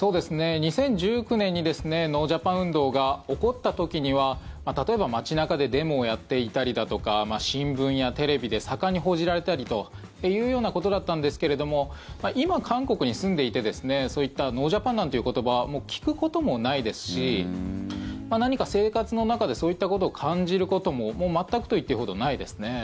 ２０１９年にですねノージャパン運動が起こった時には例えば街中でデモをやっていたりだとか新聞やテレビで盛んに報じられたりというようなことだったんですが今、韓国に住んでいてそういったノージャパンなんていう言葉もう聞くこともないですし何か生活の中でそういったことを感じることも全くと言っていいほどないですね。